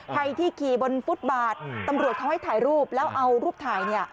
ใครที่ขี่บนฟุตบาทตำรวจเขาให้ถ่ายรูปแล้วเอารูปถ่ายเนี่ย